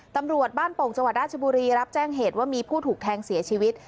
ตำรวจบ้านโป่งจังหวัดราชบุรีรับแจ้งเหตุว่ามีผู้ถูกแทงเสียชีวิต